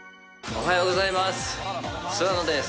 おはようございます。